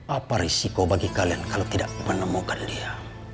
apa risiko bagi kalian kalau tidak menemukan dia